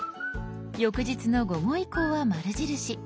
翌日の午後以降は丸印。